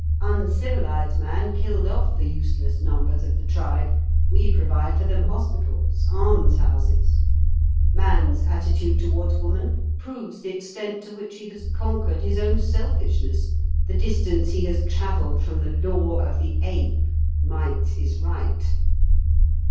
Uncivilised man killed off the useless numbers of the tribe; we provide for them hospitals, almshouses. Man's attitude towards woman proves the extent to which he has conquered his own selfishness, the distance he has travelled from the law of the ape: might is right.